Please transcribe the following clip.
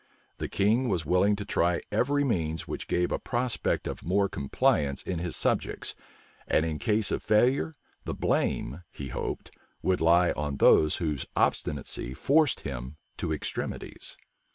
The king was willing to try every means which gave a prospect of more compliance in his subjects; and, in case of failure, the blame, he hoped, would lie on those whose obstinacy forced him to extremities.